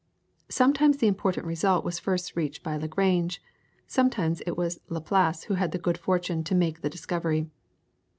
Sometimes the important result was first reached by Lagrange, sometimes it was Laplace who had the good fortune to make the discovery.